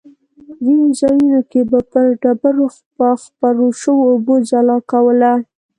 ځینې ځایونو کې به پر ډبرو خپرو شوو اوبو ځلا کوله.